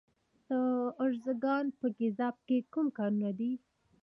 د ارزګان په ګیزاب کې کوم کانونه دي؟